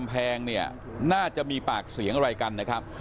ภาพอาทิตย์ครับ